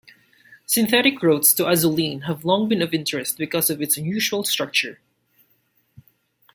Synthetic routes to azulene have long been of interest because of its unusual structure.